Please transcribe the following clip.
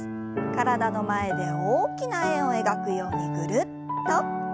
体の前で大きな円を描くようにぐるっと。